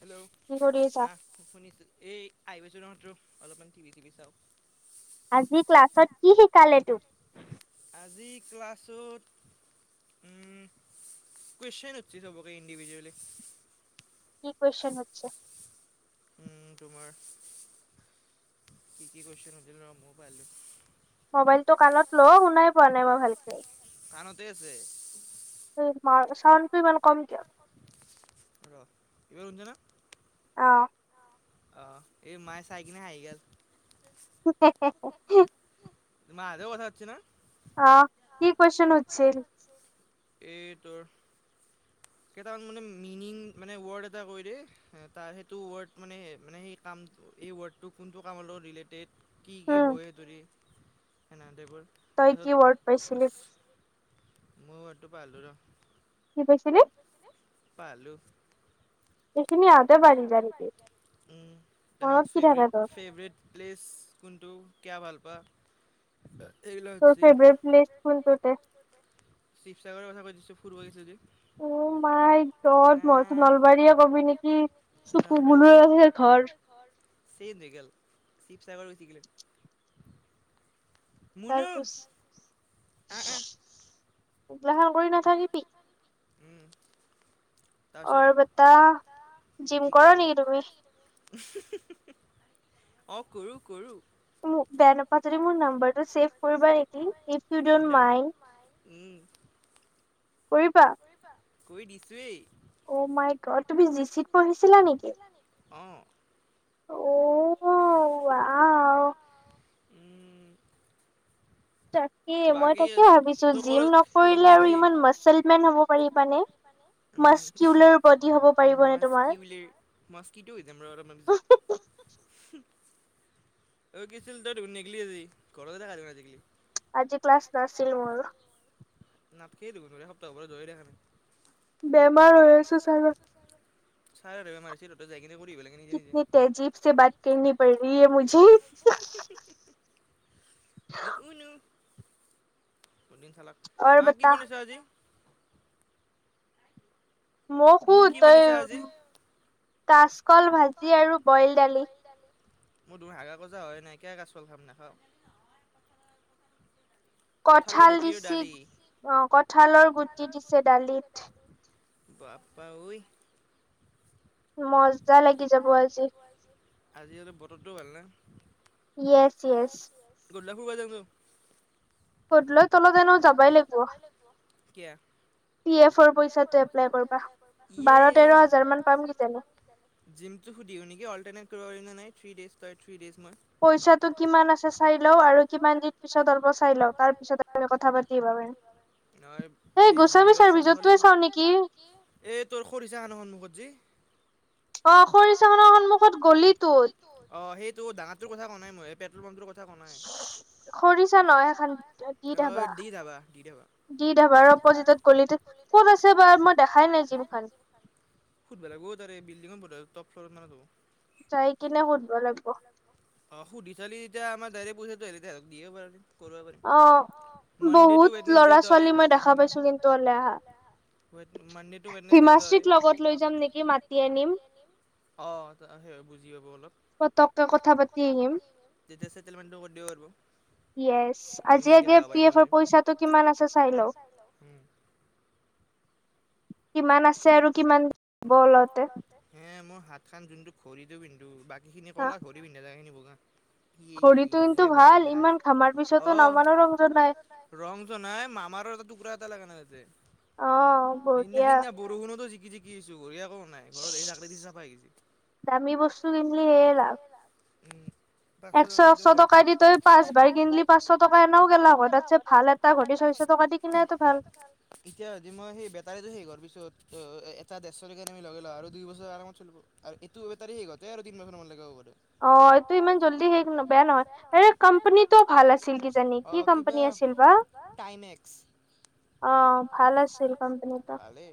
Hello. কি কৰি আছা? শুনিছোঁ, এই আহি পাইছোঁ ৰ' এইমাত্ৰ অলপমান টিভি-চিভি চাওঁ। আজি ক্লাছত কি শিকালে তোক? আজি ক্লাছটোত উম, কুৱেশ্যন সুধছি চবকে ইণ্ডিভিজুুৱলি। কি কুৱেশ্যন সুধছি? উম, তোমাৰ কি কি কুৱেশ্যন সুধছিল মইয়ো পাহৰিলোঁ। মোবাইলটো কণত ল' শুনাই পোৱা নাই মই ভালকে। কাণতে আছে। মাত, চাউণ্ডটো ইমান কম কিয়? ৰ' এইবাৰ শুনছানা? অহ। অহ, এই মায়ে চাই কিনে হাঁহি [unintelligible] মাহাঁতেও কথা পাতিছি না? অহ, কি কুৱেশ্যন সুধছিল? এই তোৰ, কেইটামান মানে মিনিং মানে ৱৰ্ড এটা কৈ দেই। তাৰ সেইটো ৱৰ্ড মানে, মানে সেই কাম এই ৱৰ্ডটো কোনটো কামৰ লগত ৰিলেটেড। কি কি হয় সেইটো দি সেনেতেবোৰ। তই কি ৱৰ্ড পাইছিলি? মই ৱৰ্ডটো পাহেৰলো ৰ'। কি কৈছিলি? [unintelligible] পাহেৰলো। এইখিনি আহোতে পাহেৰি গেল। উম, তাৰপিছত চহিবাৰীত ফেভৰেট প্লেছ কোনটো, কিয়া ভাল পা? [unintelligible] এইগিলাক তোৰ ফেভৰেট প্ৰেছ কোনটো তে? শিৱসাগৰৰ কথা কৈ দিছিলোঁ, ফুুৰবা গেইছিলো যে। অহ মাই গট মই ভাবছিলোঁ নলবাৰী এই কবি নেকি। চুকু মুলোৱে আছিলে ঘৰ। সি নেগ'ল শিৱসাগৰ গুচি গেলো। মুনু আহ আহ। ইগলাখন কৰি নাথাকিবি। উম। অ' বেটা জিম কৰা নেকি তুমি? অ'কৰোঁ কৰোঁ। বেয়া নোপোৱা যদি মোৰ নাম্বাৰ টো ছেভ কৰিবা নেকি? ইফ ইউ ডন্ট মাইণ্ড কৰিবা। কৰি দিছোৱেই। অ' মাই গ'ড তুমি যিচি শুনিছিলা নেকি? অ'। [unintelligible] তাত এ মই তাকে ভাবিছোঁ জিম নকৰিলে আৰু ইমান মাচল মেন হ'ব পাৰিবানে? উম মচকিউলৰ মসকিটো হৈ যাম ৰ'হ, কেইদিনমান পিছত। অ' কিছিল তই নেগলি আজি ঘৰতে কাটো আজিকালি। আজি ক্লাছ নাছিল মোৰ। নাথকেই দেখোন এসপ্তাহ হ'ব ধৰি যোৱায় দেখা নাই। ছাৰে মাৰিছে তহঁতে যাই কিনে কৰিব লাগে। কতিনি তেজিবছে বাত কৰি পাৰ ৰি হ মুঝে। ঐ ওনো কদিন চালক, মা কি বনাইছ আজি? মোক শুধ তই কাচকল ভাজি আৰু বইল দালি। মোৰ ধ হাগা কজা হয় নাই কিয়া কাচকল খাম নাখাওঁ। কঁঠালৰ গুটিৰ আৰু দালি কঠালৰ গুটি দিচো দালিত। বাপা ঐ। মজা লাগি যাব আজি। আজি আৰু বতৰটোও ভালনে। ইএচ ইএচ। গধুলা ফুৰিব যাওঁ ব'ল। কধ লৈ থলো জনো যাবাই লাগিব। কিয়া? পি এফ পি এফৰ পইচাটো এপ্লাই কৰিবা বাৰ, তেৰ হাজাৰমান পাম। জিমটো সুধো নেকি অলটাৰনেট কৰিব নাই থ্ৰী ডেইজ তই থ্ৰী ডেইজ মই। পইচাটো কিমান আছে চাই লওঁ আৰু কিমান দিন পিছত ওলাব চাই লওঁ তাৰপিছত কথা পাতি পাৰিম। নহয় এনেই জিম ক [unintelligible] এ তোৰ খৰিছাখনৰ সন্মুখত যি। অ' খৰিচাখনৰ সন্মুখত গ'লি টোত। অ' সেইটো ডাঙৰটোৰ কথা কোৱা নাই, মই পেট্ৰল পাম্পটোৰ কথা কোৱা নাই। খৰিছা নহয় সেইখন দি ধাবা দি ধাবা আৰু অপজিতত গ'লে ক'ত আছে বা মই দেখাই নাই জিম খান। খুব বেলেগো থাকে বিল্ডিং ত বোধহয় টপ ফ্ল'ৰ মানত। চাই কিনে সুধিব লাগিব। অ' সুধি চালি এতিয়া আমাৰ ডাইৰেক পইচাটো আহিলেহে পাৰিবি। কৰবা পাৰিবি মান়ডে টো ওৱেডনেচ ডে হয় বাকী খিনি ভিতৰলে আহা? মনডেটো, ৱেডনেছ ডে টো হয়? হিমাশ্ৰীক লগত লৈ যাম নেকি! মাতি আনিম। অ'! সেই বুজি পাব অলপ। তই তাৰ লগত কথা পাতিলি? তেতিয়া, ছেটেলমেণ্টটো কৰি দিব পাৰিব। আমি এনেকে যাব পাৰিম ন'? [unintelligible] পইটো কিমান আছে চাই ল'? কিমান আছে আৰু কিমান, দিব লওঁতে। এই, মোৰ হাতখন যোনটো, ঘড়ীটো পিন্ধো, বাকীখিনি ক'লা, ঘড়ী পিন্ধা যেগাখিনি বগা। [unintelligible] ৰংটো নাই, মামাৰো এটা টুকুৰা এটা লাগে নাই তাতে। অ'! সেইদিনা- সেইদিনা বৰষুণতো জিকি, জিকি আহিছো, [unintelligible] একো নাই। [unintelligible] পাঁচশ টকা দিলোঁ [unintelligible] পাঁচশ টকা দি, তই পাঁচবাৰ কিনিলি, পাঁচশ টকা এনেও গেলা হৈ। তাৰপিছত, ভাল এটা পাঁচশ-ছয়শ টকা দি কিনে ত' ভাল। এতিয়া, আজি মই সেই, বেটাৰীটো শেষ হোৱাৰ পিছত অ'! এটা ডেৰশ টকীয়া তুমি লগাই লোৱা আৰু দুই বছৰ আৰামত চলিব। আৰু এইটো বেটাৰী [unintelligible] অ'! এইটো ইমান জলদি শেষ নাযায় নহয়। এই, কোম্পানীটো ভাল আছিল! কিবা [unintelligible] অ'! কিবা কিবা, কাইনেক্স। অ'! ভাল আছিল! অ'! ভালে।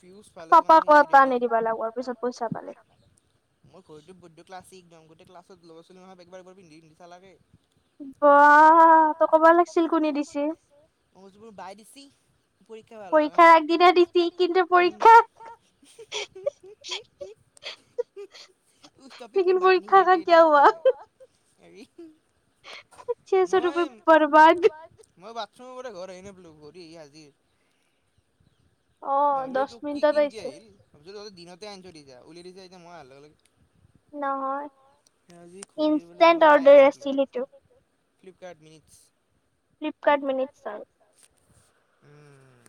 ফিউজ ভাল আছে মানে, সেই, ৰেটিং, চাপাখোৱা পৰা আনি দিব লাগিব, পিছত পইচা পালে। মই বুদ্ধ, বুদ্ধ ক্লাছিক একদম, গোটেই ক্লাছত লগৰ ছোৱালী খনক একবাৰ [unintelligible] পিন্ধি চালাগে। বা! অ'! ত' ক'ব লাগিছিল কৰি দিছে। [unintelligible] মোৰ বাই দিছি, পৰীক্ষা ভাল হ'ব কাৰণে। কিবা দিছি, কিন্তু, পৰীক্ষা [unintelligible] [unintelligible] ওচ টপিক মে বাত নাহি কাৰতি ত' আচ্ছা হ'গা। মই, মই বাথৰুমৰ পৰা ঘৰ আহিমে বোলোঁ, উভতি আহি আাজি। বোলোঁ তোক, কিন কিনকে আহিলি? তাৰপিছত, দিনতে আনিছোঁ [unintelligible] উলিয়াই দিছে, এতিয়া, মই অলহীৰ লগত [unintelligible] আজি ঘুৰি আহিম বুলি, মই আহিবাই নাপালোঁ। ফ্লিপকাৰ্ট মিনিটছ। ফ্লিপকাৰ্ট মিনিটছৰ। [unintelligible] উম!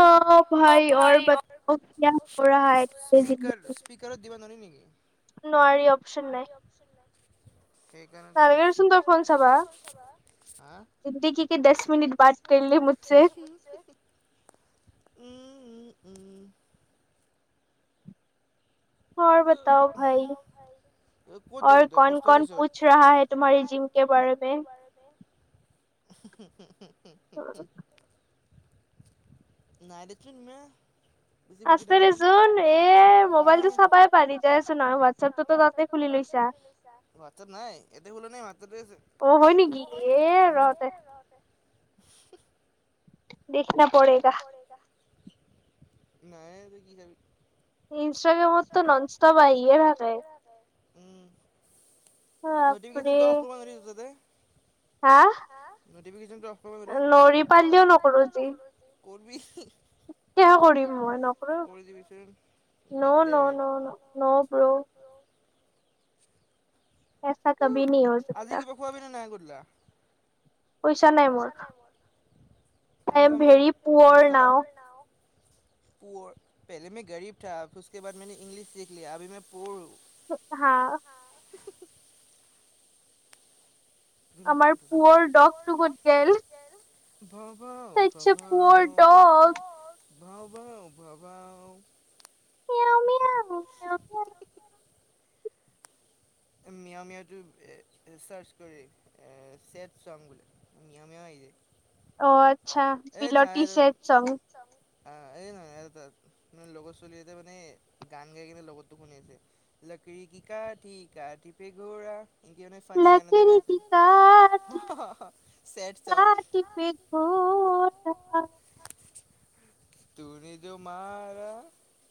[unintelligible] স্পীকাৰত দিব নোৱাৰি নেকি? নোৱাৰি, অপশ্চন নাই। [unintelligible] [inaudible] সেইকাৰণেটো, ভাইব্ৰেচনটো [unintelligible] চাবা। হা? [unintelligible] [unintelligible] উম, উম, উম। [unintelligible] অ'ৰ বাতাও ভাই? ক'ত যাবি তই, পষ্ট অফিচত? অ'ৰ ক'ন-ক'ন পুচ চাহাবে, তোমহাৰি জীৱ কে বাৰেমে। [unintelligible] বেছি বকি থাকা তুমি। [unintelligible] এইটো চাবই পাৰি, দেচোন আৰু হোৱাটছএপটো তাতে খুলি লৈছা। হোৱাটছএপ নাই, [unintelligible] অ'! হয় নেকি? ইয়ে, ৰ' দে। কিটনা পৰেগা? নাইয়ে, আজি কি খাবি। ইনষ্টাগ্ৰামততো ননষ্টপ আইয়ে থাকে। উম! ন'টিফিকেশ্চনটো অফ কৰিব নোৱাৰি মুঠতে। হা, নটিফিকেচনটো অফ কৰিব পাৰি, ধৰি, পাৰলিও নকৰবি। কৰবি। কিয়া কৰিম মই, নকৰো, নৌ, নৌ, নৌ, নৌ, ব্ৰ। এছা কভি নহি হৌ চকতা। খুৱাবি নে নাই গধুলা? পইচা নাই মোৰ। I am very poor now. পৰ, পেহলে মে গৰিব থা ওচকে বাদ মে ইংলিছ চিখ লিয়া অভি মে পোৰ হো। হা। আমাৰ পোৰব দহটো ক'ত গেল। ভাও, ভাও, ভাও, ভাবওঁ, চছ এ পোবৰ দগ, ভাও ভাওঁ। মেআওঁ, মেআওঁ, মেআওঁ, মেআওঁ। মেআওঁ মেআওঁটো, এ চাৰ্চ কৰি। এ চেদ চঙ বুলি, মেআওঁ মেআওঁ আহি যায়। অ' আচ্ছা, বিলটি চেট চঙ। চঙ। এই নহয় আৰু তাত, লগত চলি আছে মানে, গান গাই কিনেনে লগতটো শুনি আছে। লক়ী কি কাঠি, কাঠি পে ঘোৰা। [unintelligible] ফনি গান এটা গাই আছে, লক়ী কি কাঠি, আহ চেদ চঙ। [unintelligible] তুনে য মাৰা,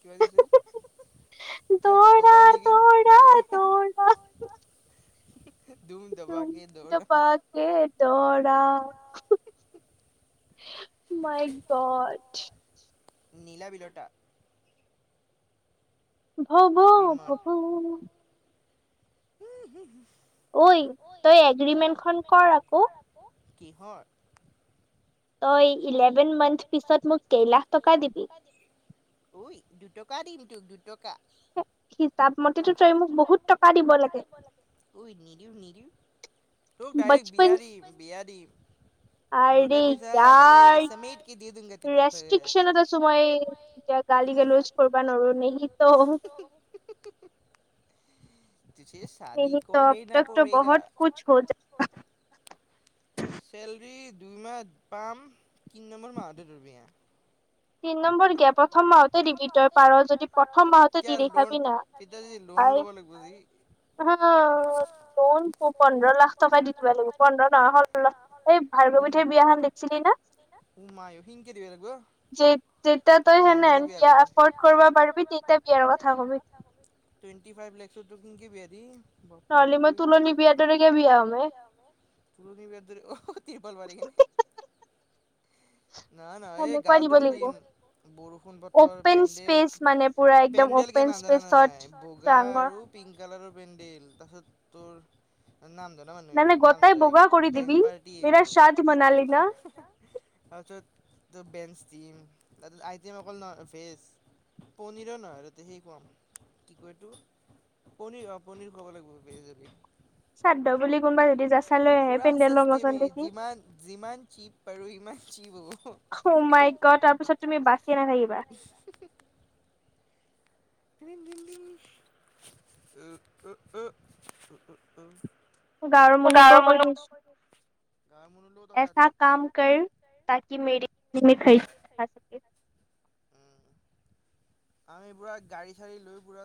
কিবা যে আছিল। কিবা হাতোৰা নেকি, দৰা। তম ত পা কে দৰা, মাই গঠ। নীলা বিলতা। ভওঁ ভওঁ, ভওঁ ভওঁ। উম হুম। ঐ, তই এগ্ৰিমেণ্ট খন কৰ আকৌ। কিহৰ? তই এই ইলেভেন মান্থ পিছত, মোক কেইলাখ টকা দিবি। ঐ দুটকা দিম তোক দুটকা। হিচাপ মতেতো তই মোক বহুত টকা দিব লাগে। তোক ডাইৰেক্ট বিয়া দিম, বিয়া দিম। আৰে য়াৰ। ৰ, ৰেষ্ট্ৰিকচনত আছো মই, এতিয়া গালি গালাজ কৰিবা নোৱাৰো নেহি‌ ত। নেহীত অব তক ত বহুত কুছ হ যাতা। চেলৰি দুই মাহত পাম, তিনি নম্বৰ মাহটে তোৰ বিয়া। তিনি নম্বৰ কিয়া প্ৰথম মাহতে দিবি তই, পাৰ যদি এতিয়া লোন এতিয়া যে লোন ল'ব লাগিব যি। উম, লোন পোন্ধৰ লাখ টকাই দিম বাৰু, পোন্ধৰ লাখ টকা ষোল্ল লাখ ৰ্বাভগব মিঠাইৰ বিয়াখন দেখিছিলি না? উম মা খিংকে দিব লাগবো। যে, যেতিয়া তই হেনে বিয়া এফৰ্ড কৰিবা পাৰিবি, তেতিয়া বিয়াৰ কথা কবি। টুৱেণ্টি ফাইভ লাখত তোক কিনেকে বিয়া দিম। বাপ্পা অই, নহ'লে মই তুলনি বিয়া দৰে বিয়া হ'ম। তুলি বিয়াৰ দৰে, ট্ৰিপাল পাৰি কেনে। নহয়, নহয় এই গাঁৱৰ দৰে দিম, বৰষুণ বতৰ, পেণ্ডেল পেণ্ডেল কেনে জানানে নাই, বগা আৰু পিংক কালাৰৰ পেণ্ডেল, তাৰপিছত তোৰ, নাম ধৰ মানুহ আহিব, নাম ধৰা, বেং পাৰ্টি আহিব। তাৰপিছত ত', বেঞ্চ দিম, তাৰপিছত আইটেম অকল ভেচ। পনীৰো নহয়, ৰাতি সেই খোৱাম কি কয় এইটো পনীৰ অঁ, পনীৰ খুৱাব লাগিব, ভেজ পুৰা চিষ্টেমি, যিমান, যিমান চিপ ইমান চিপ হ'ব। ৰিম, ৰিম, ৰিম। গ গা মন ল তাতলে [unintelligible] কাম কৰ। তাকি মেৰি [unintelligible] আমি পুৰা, গাড়ী-চাড়ী লৈ পুৰা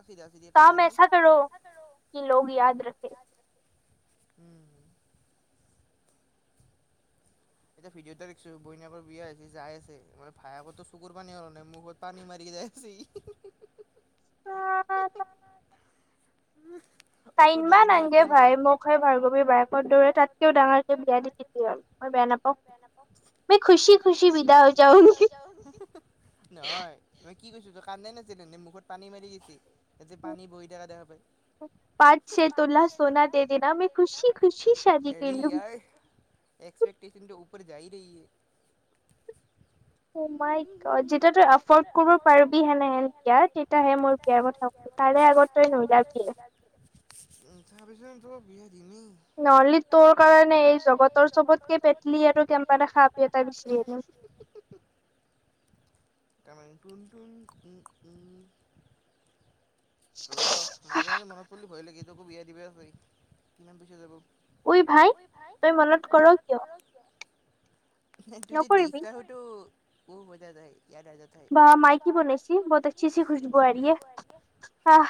কাম এছা ক'ৰো কি, লোগ য়াদ ৰাখে। উম। এটা ভিডিঅ' এটা দেখিছোঁ, বইনেকৰ বিয়া হৈছে যাই আছে, মানে ভায়েকহঁতৰ চকুৰ পানী ওলোৱা নাই মুখত পানী মাৰি যায় আছিল। [unintelligible] ভাই মোক ভাই ভাৰ্গৱৰ বায়েকৰ দৰে, তাতকেও ডাঙৰ বিয়া দিবি ন'। বেয়া নাপাও, খুচি, খুচি বিদায় হৈ যাম। মই কি কৈছো, তোৰ কান্দে নাছিলে মুখত পানী মাৰি দিছে, পানী বৈ থকা দেখা পায়। বাত চে তুলাহ চোনা দে দেনা, মে খুচী খুচি, আৰে ইয়াৰ এক্সপেকটেচনটো ওপৰ যাই ৰেহি হে। অ', মই, যেতিয়া তই এফৰ্ড কৰিব পাৰিবি হেনে, হেন বিয়াৰ তেতিয়াহে মোৰ কথা তাৰে আগত তই নোলিয়াবিয়ে। তাৰ পিছত তোক বিয়া দিমেই। নহ'লে তোৰ কাৰণে এই জগতৰ চবতকে পেটলি আৰু কেনবা আপি এটা বিচাৰিম। তাৰমানে নুনটুন উম, উম। ৰ, মাজে, মাজে মনত পৰিল ভয় লাগে, আকৌ বিয়া দিবয়ে হয়, কিমান পিচা যাব। ঐ ভাই, তই মনত পৰ কিয়, তোৰ যে দেদাৰ টো মজা যায়, [unintelligible] বা মাইকী বনাইছি, বহুত আচ্ছি চি খুশবু আ ৰাহি হে, আহ।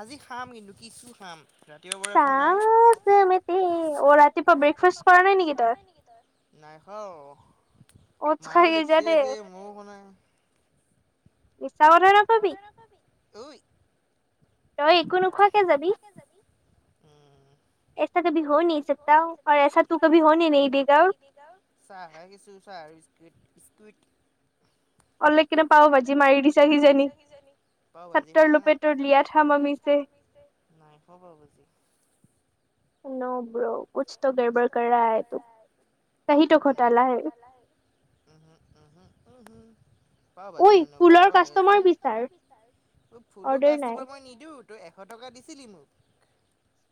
আজি খাম কিন্তু, কিছু খাম। ৰাতিপুৱাৰ পৰা খোৱা নাই। ৰাতিপুৱা ব্ৰেক কৰা নাই নেকি তই? নাই খােৱা। মায়ও লিখছে আছে ময়ো খেৱা নাই। মিছা কথা নকবি, তই একো নোখোৱাকে যাবি। অঁ। এছা কবি হ' নাহি চাকতা, অৰ এছা তো কভি হ' নাহি দেগা। [unintelligible] চাহ [unintelligible] চাহ বিস্কুইট, বিস্কুইট। অলেক কিন্তু পাও ভাজি মাৰি দিছা কিজনা, পাও ভাজি খোৱা না? [unintelligible] নাই খোৱা পাও ভাজি। নৌ ব্ৰ' কুছটো গড় বড় কৰ ৰাহাহে তু। চেহিটৌ ঘৌটালা হে। [inaudible] পাও ভাজি নহয় নহয় বৰা পাও হে, ফুলৰ কাষ্টমাৰ বিচাৰ। তোক ফুলৰ কাষ্টমাৰ মই নিদো। তই এশ টকা দিছিলি মোক?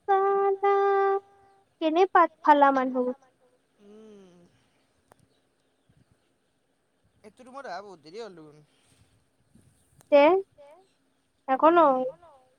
চালা কেনে পাত ফালা মানুহ। উম। সেইটোতো মৰা বহুত দেৰি হ'লচোন। [unintelligible] উম [unintelligible]